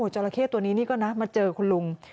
จราเข้ตัวนี้นี่ก็นะมาเจอคุณลุง